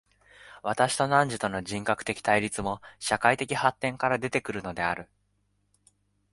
私と汝との人格的対立も、社会的発展から出て来るのである。